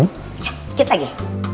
ya dikit lagi